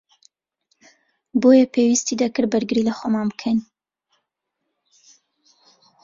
بۆیە پێویستی دەکرد بەرگری لەخۆمان بکەن